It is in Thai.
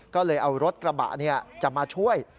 ก็เลยเอารถกระบะจะมาช่วย